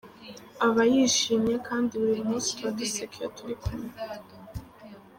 aba yishimye kandi buri munsi tuba duseka iyo turi kumwe.